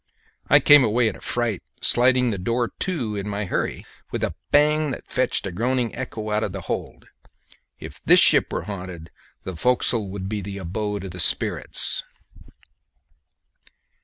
I came away in a fright, sliding the door to in my hurry with a bang that fetched a groaning echo out of the hold. If this ship were haunted, the forecastle would be the abode of the spirits!